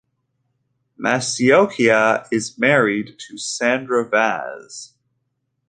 Maciocia is married to Sandra Vaz.